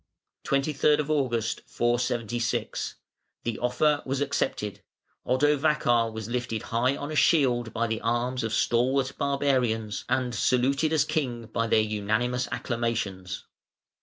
(23d Aug., 476) The offer was accepted; Odovacar was lifted high on a shield by the arms of stalwart barbarians, and saluted as king by their unanimous acclamations.